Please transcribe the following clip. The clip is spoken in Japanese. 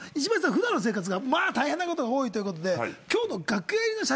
普段の生活が大変なことが多いということで今日の。